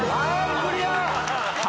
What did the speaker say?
クリア。